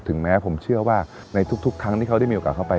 แม้ผมเชื่อว่าในทุกครั้งที่เขาได้มีโอกาสเข้าไป